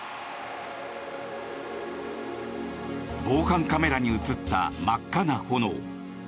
防犯カメラに映った真っ赤な炎。